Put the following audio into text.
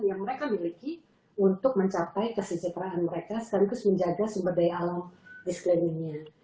yang mereka miliki untuk mencapai kesejahteraan mereka sekaligus menjaga sumber daya alam di sekelilingnya